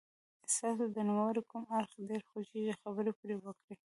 ستاسو د نوموړي کوم اړخ ډېر خوښیږي خبرې پرې وکړئ.